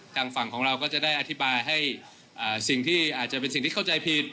ทางฝั่งของเราก็จะได้อธิบายให้สิ่งที่อาจจะเป็นสิ่งที่เข้าใจผิด